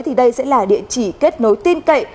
thì đây sẽ là địa chỉ kết nối tin cậy